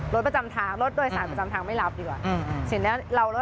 รถประจำทางรถโดยสารประจำทางไม่รับดีกว่า